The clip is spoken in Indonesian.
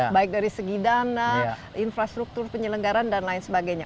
baik dari segi dana infrastruktur penyelenggaran dan lain sebagainya